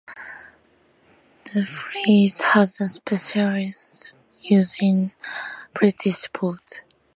The phrase has a specialized use in British sport.